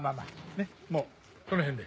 ねっもうこの辺で。